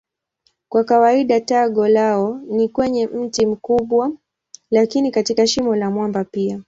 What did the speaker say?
Kwa kawaida tago lao ni kwenye mti mkubwa lakini katika shimo la mwamba pia.